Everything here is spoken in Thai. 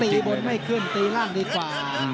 ตีบนไม่ขึ้นตีล่างดีกว่า